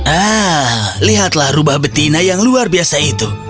ah lihatlah rubah betina yang luar biasa itu